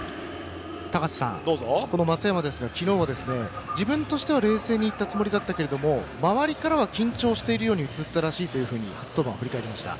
高瀬さん、松山ですが昨日は自分としては冷静に行ったつもりだったが周りからは緊張したように映ったらしいと初登板を振り返りました。